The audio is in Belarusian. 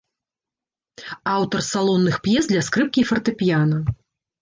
Аўтар салонных п'ес для скрыпкі і фартэпіяна.